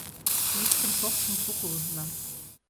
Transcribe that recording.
Йӱштым-шокшым шуко ужынам.